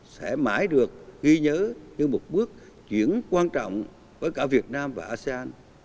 sẽ mãi được ghi nhớ như một bước chuyển quan trọng với cả việt nam và asean